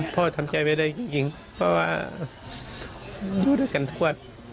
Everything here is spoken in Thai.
ทำใจไม่ได้จริงเพราะว่าอยู่ด้วยกันถวด